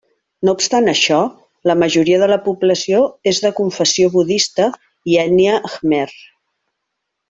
No obstant això, la majoria de la població és de confessió budista i ètnia khmer.